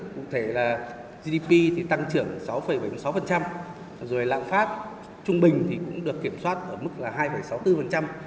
cụ thể là gdp tăng trưởng sáu bảy mươi sáu lạng phát trung bình cũng được kiểm soát ở mức hai sáu mươi bốn